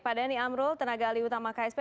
pak dhani amrul tenaga alih utama ksp